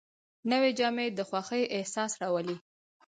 نوې جامې د خوښۍ احساس راولي